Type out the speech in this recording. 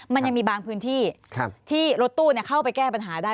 มันยังมีบางพื้นที่ที่รถตู้เข้าไปแก้ปัญหาได้